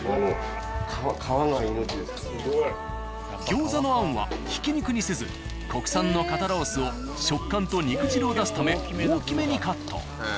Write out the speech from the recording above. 餃子の餡はひき肉にせず国産の肩ロースを食感と肉汁を出すため大きめにカット。